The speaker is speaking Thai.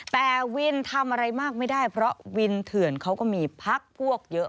แต่วินทำอะไรมากไม่ได้เพราะวินเถื่อนเขาก็มีพักพวกเยอะ